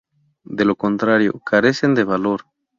De lo contrario, carecen de valor.